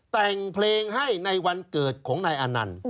แต่งเพลงให้ในวันเกิดของนายอนันต์